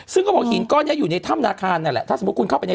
ซึ่งเขาบอกหินก้อนนี้อยู่ในถ้ำนาคารนั่นแหละถ้าสมมุติคุณเข้าไปใน